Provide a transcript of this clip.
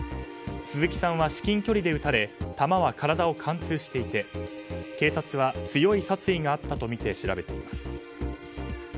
鈴木さんは至近距離で撃たれ弾は体を貫通していて警察は強い殺意があったとみて調べています。